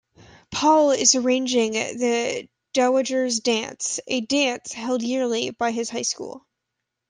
Paul is arranging the Dowager's Dance, a dance held yearly by his high school.